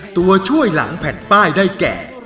ตัวช่วยหลังแผ่นป้ายได้แก่